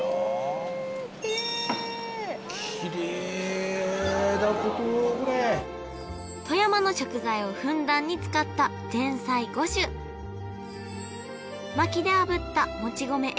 キレイだことこれ富山の食材をふんだんに使った前菜５種薪で炙った餅米え